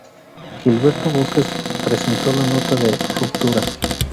Gilberto Bosques presentó la nota de ruptura.